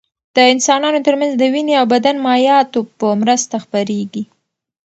د انسانانو تر منځ د وینې او بدن مایعاتو په مرسته خپرېږي.